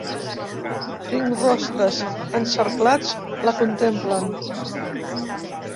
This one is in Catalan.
Cinc rostres encerclats la contemplen.